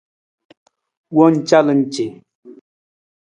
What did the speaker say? Wowang calan ce.